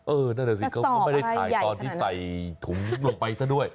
นั่นแหละสิเขาก็ไม่ได้ถ่ายตอนที่ใส่ถุงลงไปซะด้วย